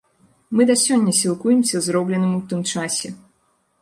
Мы да сёння сілкуемся зробленым у тым часе.